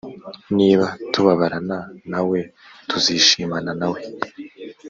niba tubabarana na we, tuzishimana nawe